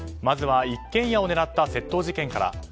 まずは一軒家を狙った窃盗事件から。